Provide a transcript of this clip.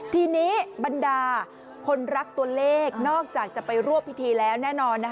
ทีนี้บรรดาคนรักตัวเลขนอกจากจะไปรวบพิธีแล้วแน่นอน